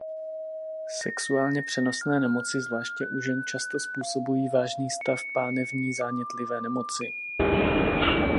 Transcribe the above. Sexuálně přenosné nemoci zvláště u žen často způsobují vážný stav pánevní zánětlivé nemoci.